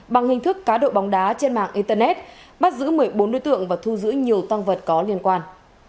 bằng hình thức cá độ bóng đá trên mạng internet bắt giữ một mươi bốn đối tượng và thu giữ nhiều tăng vật có liên quan